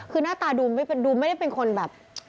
คือหน้าตาดูไม่ได้เป็นคนแบบ